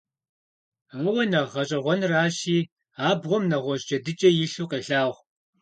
Ауэ, нэхъ гъэщӀэгъуэныращи, абгъуэм нэгъуэщӀ джэдыкӀэ илъу къелъагъу.